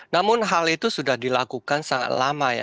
namun hal itu sudah dilakukan sangat lama ya